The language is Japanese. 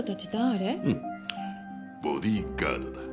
うんボディーガードだ。